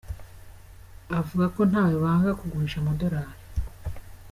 Avuga ko ntawe banga kugurisha amadolari.